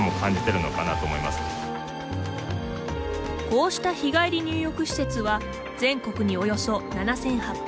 こうした日帰り入浴施設は全国におよそ７８００軒。